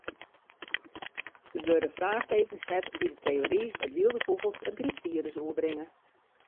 Der wurde fraachtekens set by de teory dat wylde fûgels it grypfirus oerbringe.